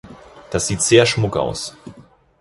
Das sieht sehr schmuck aus.